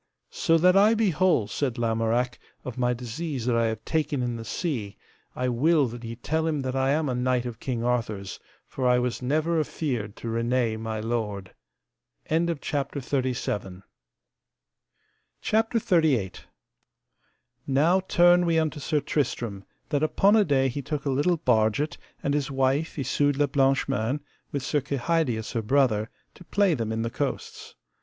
So that I be whole, said Lamorak, of my disease that I have taken in the sea, I will that ye tell him that I am a knight of King Arthur's, for I was never afeard to reneye my lord. CHAPTER XXXVIII. How Sir Tristram and his wife arrived in Wales, and how he met there with Sir Lamorak. Now turn we unto Sir Tristram, that upon a day he took a little barget, and his wife Isoud la Blanche Mains, with Sir Kehydius her brother, to play them in the coasts.